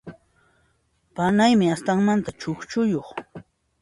Panaymi astanmanta chukchuyuq.